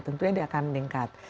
tentunya dia akan meningkat